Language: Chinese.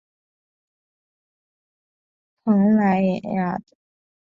蓬莱虱蚜为扁蚜科雕胸扁蚜属下的一个种。